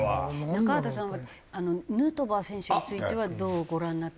中畑さんはヌートバー選手についてはどうご覧になって？